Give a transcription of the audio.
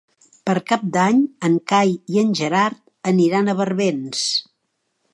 Per Cap d'Any en Cai i en Gerard aniran a Barbens.